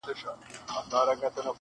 • بېګا خوب وینمه تاج پر سر باچا یم,